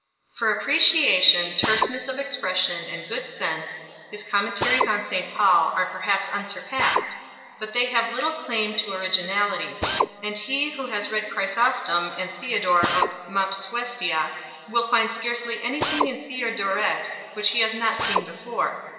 " For appreciation, terseness of expression, and good sense, [his commentaries on St Paul] are perhaps unsurpassed;... but they have little claim to originality, and he who has read Chrysostom and Theodore of Mopsuestia will find scarcely anything in Theodoret which he has not seen before...